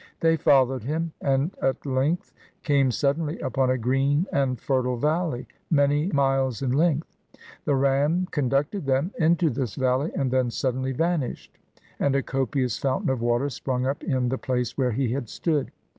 They followed him, and at length came suddenly upon a green and fertile valley, many miles in length. The ram con ducted them into this valley, and then suddenly van ished, and a copious fountain of water sprung up in the place where he had stood.